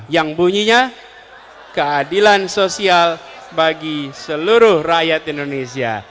yang bunyinya keadilan sosial bagi seluruh rakyat indonesia